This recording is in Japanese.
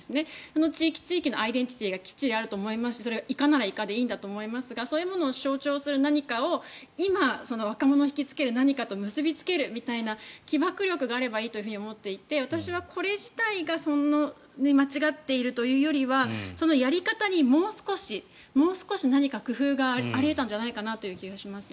その地域地域のアイデンティティーがきっちりあると思いますしそれがイカならイカでいいと思うんですがそういうものを象徴する何かを今、若者を引きつける何かと結びつけるみたいな起爆力があればいいと思っていて私はこれ自体が間違っているというよりはやり方にもう少しもう少し何か工夫があり得たんじゃないかと思います。